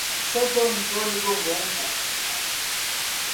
Santo Antônio do Monte